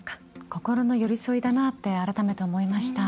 心の寄り添いだなって改めて思いました。